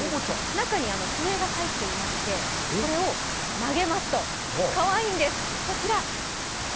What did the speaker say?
中に笛が入っていまして、これを投げますと、かわいいんですこちら